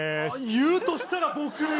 言うとしたら僕！